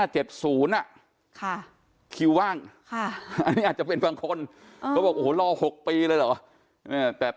๒๕๗๐ค่ะคิวว่างอันนี้อาจจะเป็นบางคนก็บอกโหรอ๖ปีเลยเหรอ